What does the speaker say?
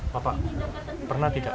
bapak pernah tidak